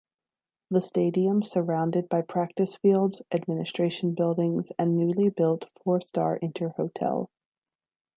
The stadium surrounded by practice fields, administration buildings and newly built four-star Inter Hotel.